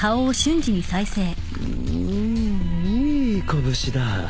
うんいい拳だ。